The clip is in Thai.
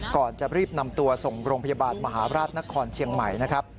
ก่อนจะรีบนำตัวส่งโรงพยาบาลมหาราชนครเชียงใหม่นะครับ